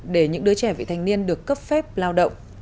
để những đứa trẻ vị thành niên được tìm được